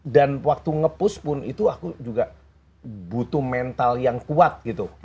dan waktu nge post pun itu aku juga butuh mental yang kuat gitu